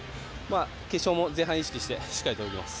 決勝も前半、意識してしっかりと泳ぎます。